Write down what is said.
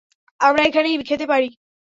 আমরা এখানেই খেতে পারি।